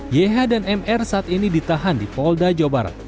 yeha dan mr saat ini ditahan di polda jawa barat